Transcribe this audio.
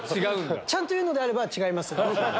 ちゃんと言うのであれば違います。